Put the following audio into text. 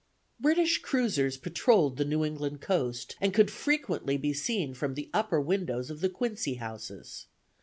British cruisers patrolled the New England coast, and could frequently be seen from the upper windows of the Quincy houses.